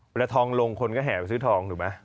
เวลาทองลงคนก็แห่ไปซื้อทองถูกไหม